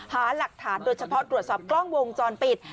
หาหลักฐานโดยเฉพาะตรวจสอบกล้องวงจรปิด